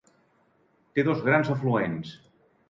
Té dos grans afluents.